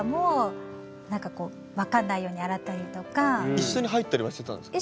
一緒に入ったりはしてたんですか？